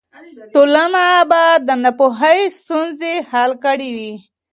ټولنه به د ناپوهۍ ستونزې حل کړې وي.